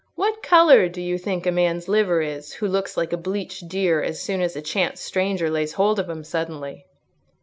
What colour do you think a man's liver is, who looks like a bleached deer as soon as a chance stranger lays hold of him suddenly?"